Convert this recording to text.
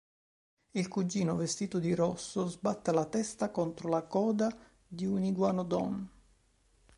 Il cugino vestito di rosso sbatte la testa contro la coda di un Iguanodon.